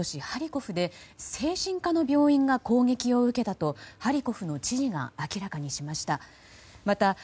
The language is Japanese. ハリコフで精神科の病院が攻撃を受けたとハリコフの知事が明らかにしました。